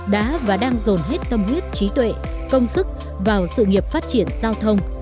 đã và đang dồn hết tâm huyết trí tuệ công sức vào sự nghiệp phát triển giao thông